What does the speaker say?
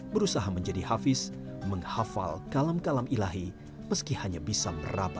berusaha menjadi hafiz menghafal kalam kalam ilahi dan berusaha berusaha berusaha berusaha berusaha